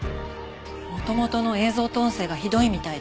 元々の映像と音声がひどいみたいで。